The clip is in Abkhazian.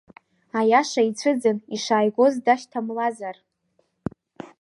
Аиаша ицәыӡын, ишааигоз, дашьҭамлазар…